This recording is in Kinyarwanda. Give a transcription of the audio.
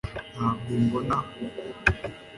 ntabwo mbona uko